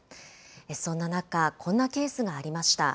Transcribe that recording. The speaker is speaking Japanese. そんな中、こんなケースがありました。